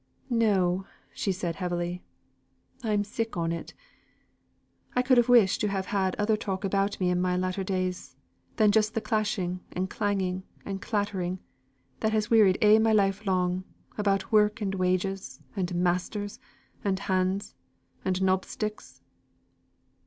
"No!" said she, heavily. "I'm sick on it. I could have wished to have had other talk about me in my latter days, than just the clashing and clanging and clattering that has ever wearied a' my life long, about work and wages, and masters, and hands, and knobsticks.